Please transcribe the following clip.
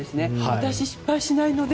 私、失敗しないので。